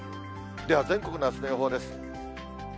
では全国のあすの予報です。